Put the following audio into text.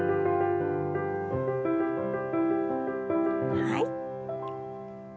はい。